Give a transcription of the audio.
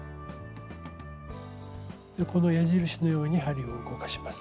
この矢印のように針を動かします。